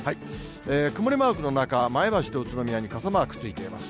曇りマークの中、前橋と宇都宮に傘マークついています。